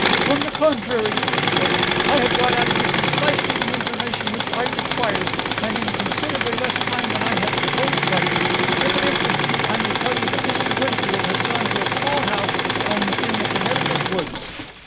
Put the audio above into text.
"On the contrary," she said; "I have got out of you precisely the information which I required, and in considerably less time than I had supposed likely. If it interests you, I may tell you that Mr. Winfield has gone to a small house which he owns in the Connecticut woods."